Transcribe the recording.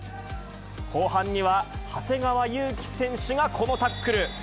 後半には、長谷川勇基選手がこのタックル。